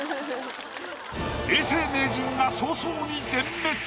永世名人が早々に全滅。